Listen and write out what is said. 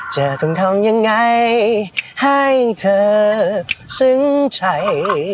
จะต้องทำยังไงให้เธอซึ้งใจ